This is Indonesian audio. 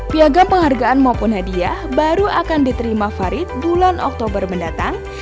piagam penghargaan maupun hadiah baru akan diterima farid bulan oktober mendatang